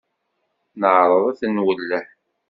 Neɛreḍ ad ten-nwelleh.